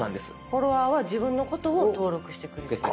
フォロワーは自分のことを登録してくれてる人。